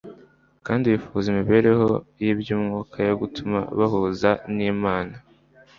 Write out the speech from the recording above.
kandi bifuza imibereho y’iby’umwuka yo gutuma bahuza n’Imana;